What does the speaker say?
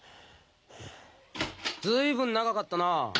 ずいぶん長かったなあ